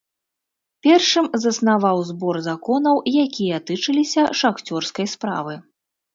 Першым заснаваў збор законаў, якія тычыліся шахцёрскай справы.